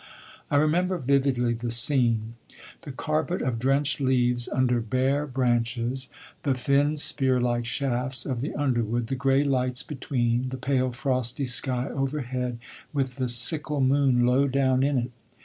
I remember vividly the scene. The carpet of drenched leaves under bare branches, the thin spear like shafts of the underwood, the grey lights between, the pale frosty sky overhead with the sickle moon low down in it.